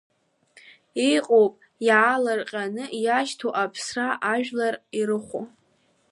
Иҟоуп иаалырҟьан иашьҭоу аԥсра, ажәлар ирыхәо…